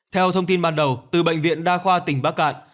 theo thông tin ban đầu từ bệnh viện đa khoa tỉnh bắc cạn